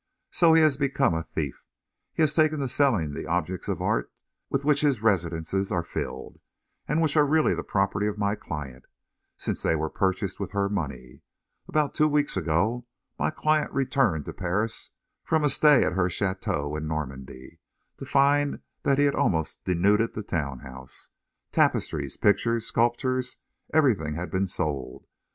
So he has become a thief. He has taken to selling the objects of art with which his residences are filled, and which are really the property of my client, since they were purchased with her money. About two weeks ago, my client returned to Paris from a stay at her château in Normandy to find that he had almost denuded the town house. Tapestries, pictures, sculptures everything had been sold.